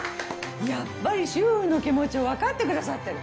やっぱり主婦の気持ちをわかってくださってる。